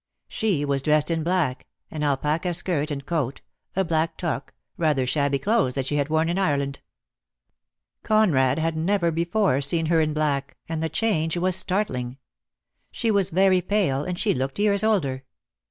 She was dressed in black, an alpaca skirt and coat, a black toque, rather shabby clothes that she had worn in Ireland. Conrad had never before seen her in black, and the change was startling. She was very pale, and she looked years older.